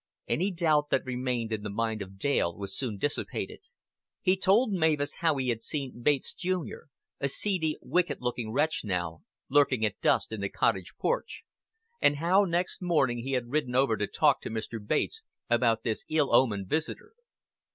Any doubt that remained in the mind of Dale was soon dissipated. He told Mavis how he had seen Bates junior a seedy, wicked looking wretch now lurking at dusk in the cottage porch, and how next morning he had ridden over to talk to Mr. Bates about this ill omened visitor.